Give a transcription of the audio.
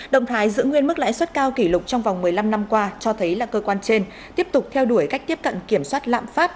động thái giữ nguyên mức lãi suất cao kỷ lục trong vòng một mươi năm năm qua cho thấy là cơ quan trên tiếp tục theo đuổi cách tiếp cận kiểm soát lạm phát